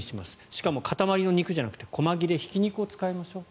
しかも塊の肉じゃなくて細切れひき肉を使いましょう。